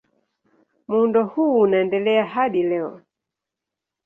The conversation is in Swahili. Muundo huu unaendelea hadi leo.